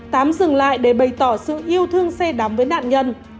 tám dừng lại để bày tỏ sự yêu thương xe đám với nạn nhân